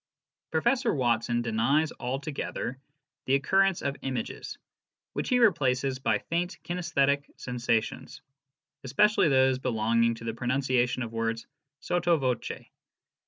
Professor Watson denies altogether the occurrence of images, which he replaces by faint kinaesthetic sensations, especially those belonging to the pronunciation of words sotto voce.